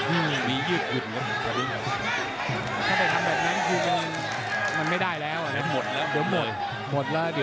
ให้ดูที่เหลือสุดท้ายด้วยนะครับ